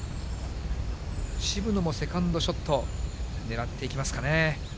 渋野もセカンドショット、狙っていきますかね。